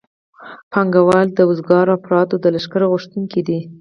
پانګوال د وزګارو افرادو د لښکر غوښتونکي دي